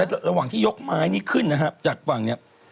ระหว่างที่ยกไม้นี้ขึ้นนะครับจากฝั่งเนี่ย